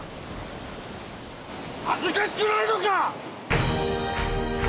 恥ずかしくないのか！